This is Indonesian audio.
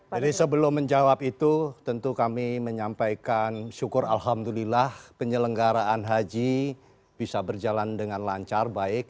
jadi sebelum menjawab itu tentu kami menyampaikan syukur alhamdulillah penyelenggaraan haji bisa berjalan dengan lancar baik